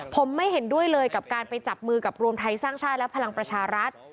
ผมไม่เห็นด้วยเลยกับการไปจับมือกับรวมไทยสร้างชาติและพลังประชารัฐ